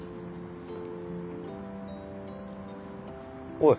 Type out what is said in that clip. おい。